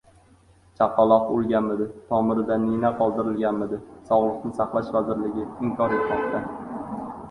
Chaqaloq o‘lganmidi? Tomirida nina qoldirilganmi? Sog‘liqni saqlash vazirligi inkor etmoqda